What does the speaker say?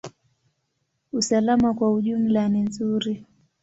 Usalama kwa ujumla ni nzuri.